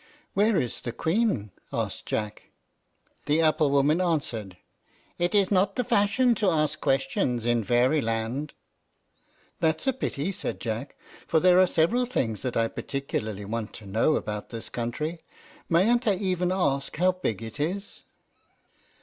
"Where is the Queen?" asked Jack. The apple woman answered, "It's not the fashion to ask questions in Fairyland." "That's a pity," said Jack, "for there are several things that I particularly want to know about this country. Mayn't I even ask how big it is?"